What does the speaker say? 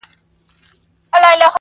څه پروا که نښانې یې یا ورکیږي یا پاتیږي!